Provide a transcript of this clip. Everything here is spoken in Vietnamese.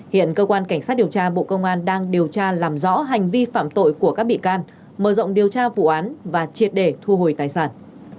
hiện cơ quan cảnh sát điều tra bộ công an đang điều tra làm rõ hành vi phạm tội của các bị can mở rộng điều tra vụ án và triệt để thu hồi tài sản